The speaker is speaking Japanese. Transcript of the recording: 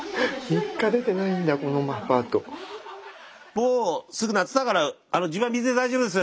もうすぐ夏だから自分は水で大丈夫です。